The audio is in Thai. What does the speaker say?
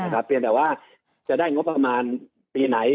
แต่ว่าจะได้งบประมาณปีไหน